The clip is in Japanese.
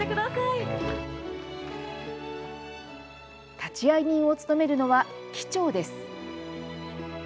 立会人を務めるのは機長です。